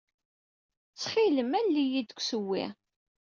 Ttxil-m, alel-iyi deg ussewwi.